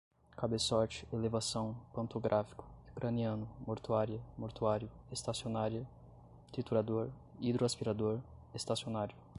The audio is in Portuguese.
cabeçote, elevação, pantográfico, craniano, mortuária, mortuário, estacionária, triturador, hidroaspirador, estacionário